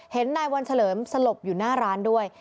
เห็นนายวันเฉลิมสลบอยู่หน้าร้านด้วย